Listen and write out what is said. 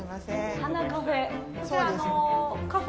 花カフェ。